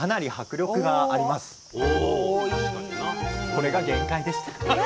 これが限界でした。